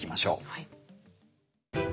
はい。